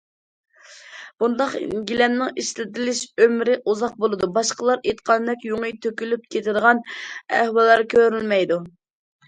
بۇنداق گىلەمنىڭ ئىشلىتىلىش ئۆمرى ئۇزاق بولىدۇ، باشقىلار ئېيتقاندەك، يۇڭى تۆكۈلۈپ كېتىدىغان ئەھۋاللار كۆرۈلمەيدۇ.